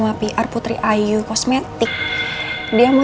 apa apa baikkan sama mama